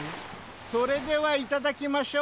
それではいただきましょう。